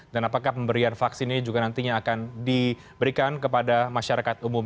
apakah pemberian vaksin ini juga nantinya akan diberikan kepada masyarakat umum